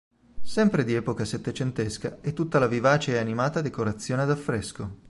Sempre di epoca settecentesca è tutta la vivace e animata decorazione ad affresco.